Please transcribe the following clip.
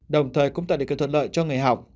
đồng thời cũng tạo được cơ thuật lợi cho người học